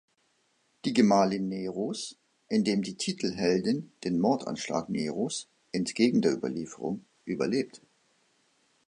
Die Gemahlin Neros", in dem die Titelheldin den Mordanschlag Neros entgegen der Überlieferung überlebt.